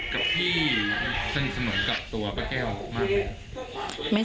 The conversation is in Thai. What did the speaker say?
กับพี่สนสนุนกับตัวป้าแก้วมากไหม